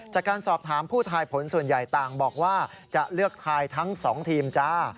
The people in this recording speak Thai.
จากการสอบถามผู้ทายผลส่วนใหญ่ต่างบอกว่าจะเลือกทายทั้ง๒ทีมจ้า